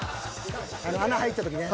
［あの穴入った時ね］